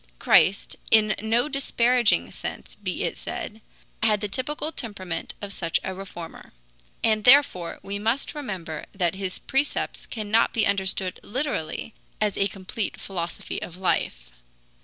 Christ, in no disparaging sense be it said, had the typical temperament of such a reformer. And therefore we must remember that his precepts cannot be understood literally as a complete philosophy of life.